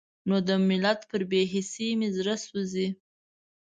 نو د ملت پر بې حسۍ مې زړه سوزي.